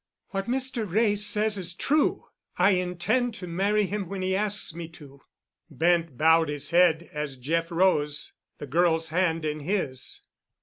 "What Mr. Wray says is true. I intend to marry him when he asks me to." Bent bowed his head, as Jeff rose, the girl's hand in his.